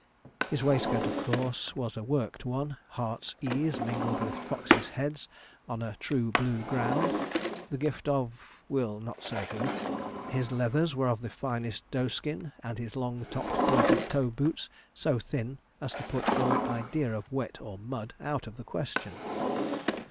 His waistcoat, of course, was a worked one heart's ease mingled with foxes' heads, on a true blue ground, the gift of we'll not say who his leathers were of the finest doe skin, and his long topped, pointed toed boots so thin as to put all idea of wet or mud out of the question.